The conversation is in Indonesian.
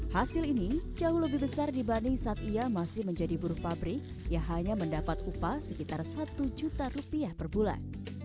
hasil ini jauh lebih besar dibanding saat ia masih menjadi buruh pabrik yang hanya mendapat upah sekitar satu juta rupiah per bulan